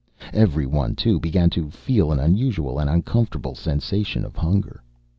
Every one, too, began to feel am unusual and uncomfortable sensation of hunger.